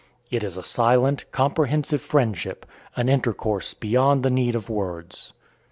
It is a silent, comprehensive friendship, an intercourse beyond the need of words.